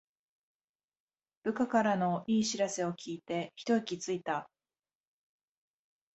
部下からの良い知らせを聞いてひと息ついた